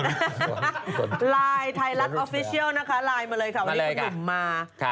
ไลน์ไทยรัฐออฟฟิเชียลนะคะไลน์มาเลยค่ะวันนี้คุณหนุ่มมา